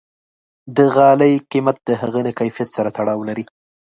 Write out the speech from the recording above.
د غالۍ قیمت د هغې له کیفیت سره تړاو لري.